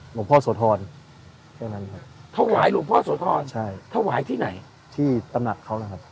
หลวงพ่อโสธรแค่นั้นครับถวายหลวงพ่อโสธรใช่ถวายที่ไหนที่ตำหนักเขานะครับ